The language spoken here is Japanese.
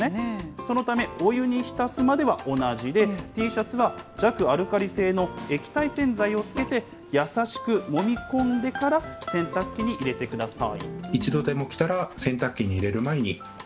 そのためお湯に浸すまでは同じで、Ｔシャツは弱アルカリ性の液体洗剤を付けて、優しくもみ込んでから、洗濯機に入れてください。